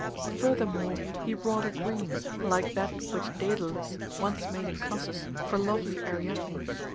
Furthermore he wrought a green, like that which Daedalus once made in Cnossus for lovely Ariadne.